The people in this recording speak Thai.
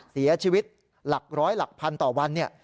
เสียชีวิตหลัก๑๐๐๑๐๐๐ต่อวันนี้